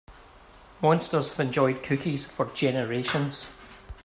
Monsters have enjoyed cookies for generations.